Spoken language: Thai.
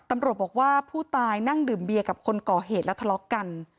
ตำรวจบอกว่าผู้ตายนั่งดื่มเบียร์กับคนก่อเหตุและทะเลาะกัน